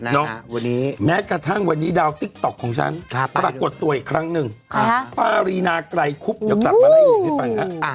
เนอะเนอะแม้กระทั่งวันนี้ดาวติ๊กต๊อกของฉันปรากฏตัวอีกครั้งหนึ่งป้ารีนากลายคุบยังกลับมาได้อีกให้ไปครับ